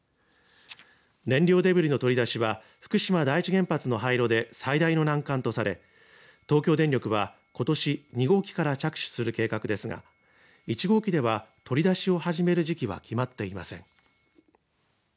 燃料デブリの取り出しは福島第一原発の廃炉で最大の難関とされ東京電力は、ことし２号機から着手する計画ですが１号機では取り出しを始める時期は決まっていません。